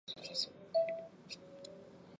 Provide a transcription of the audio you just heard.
散馆授翰林院检讨。